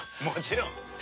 もちろん。